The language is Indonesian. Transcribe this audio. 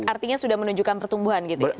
artinya sudah menunjukkan pertumbuhan gitu ya